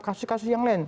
kasus kasus yang lain